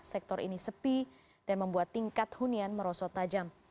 sektor ini sepi dan membuat tingkat hunian merosot tajam